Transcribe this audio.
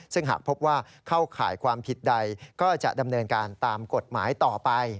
ซึ่งหากพบว่าเข้าข่ายความผิดใดก็จะดำเนินการตามกฎหมายต่อไป